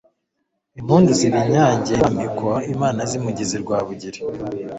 Impundu ziba inyange i RwamikoImana zimugize Rwabugiri